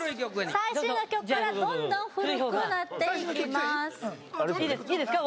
最新の曲からどんどん古くなっていきますいいですか？